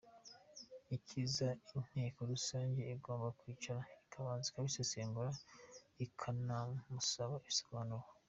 Icyiza, inteko rusange igomba kwicara ikabanza ikabisesengura ikanamusaba ibisobanuro.